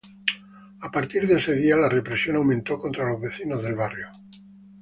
A partir de ese día, la represión aumentó contra los vecinos del barrio.